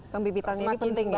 pembibitan ini penting ya